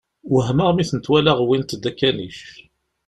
Wehmeɣ mi tent-walaɣ wwint-d akanic.